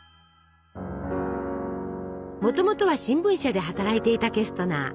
もともとは新聞社で働いていたケストナー。